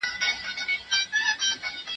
زه بايد نان وخورم!!